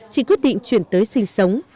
chị quyết định chuyển tới sinh sống